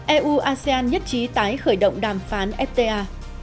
eu asean nhất trí tái khởi động đàm phán fta